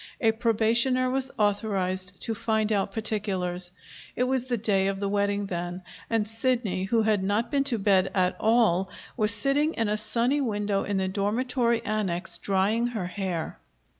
A probationer was authorized to find out particulars. It was the day of the wedding then, and Sidney, who had not been to bed at all, was sitting in a sunny window in the Dormitory Annex, drying her hair.